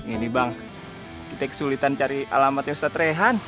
ini bang kita kesulitan cari alamatnya ustadz rehan